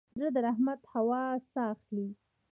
زړه د رحمت هوا ساه اخلي.